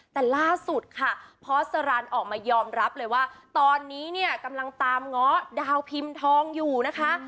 แต่ล่าสุดค่ะพอสรันออกมายอมรับเลยว่าตอนนี้เนี่ยกำลังตามง้อดาวพิมพ์ทองอยู่นะคะ